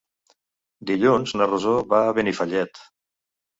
Dilluns na Rosó va a Benifallet.